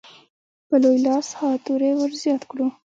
که په لوی لاس ها توری ورزیات کړو.